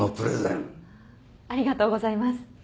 ありがとうございます。